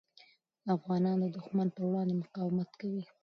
افغانان د دښمن پر وړاندې مقاومت کوي.